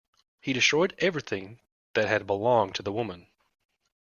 He destroyed everything that had belonged to the woman.